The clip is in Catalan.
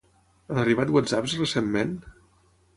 Han arribat whatsapps recentment?